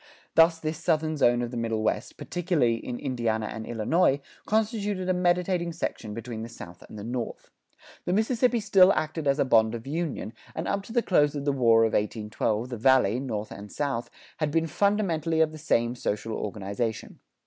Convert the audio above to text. Thus this Southern zone of the Middle West, particularly in Indiana and Illinois, constituted a mediating section between the South and the North. The Mississippi still acted as a bond of union, and up to the close of the War of 1812 the Valley, north and south, had been fundamentally of the same social organization.